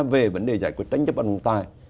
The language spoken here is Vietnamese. về vấn đề giải quyết tranh chấp bằng tài